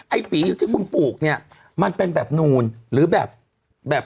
ไอ้ฝีอยู่ที่คุณปลูกเนี่ยมันเป็นแบบนูนหรือแบบแบบ